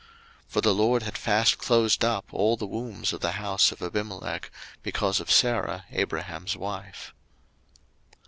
01:020:018 For the LORD had fast closed up all the wombs of the house of Abimelech, because of Sarah Abraham's wife.